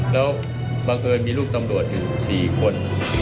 แล้วบังเอิญมีลูกตำรวจอยู่๔คน